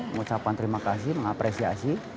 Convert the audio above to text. mengucapkan terima kasih mengapresiasi